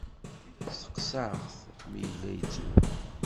Steqsaɣ-t mi yella yettru.